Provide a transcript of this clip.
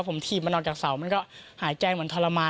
ผมถีบมันออกจากเสามันก็หายใจเหมือนทรมาน